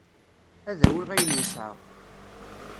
Ad awiɣ ayen yesɛa.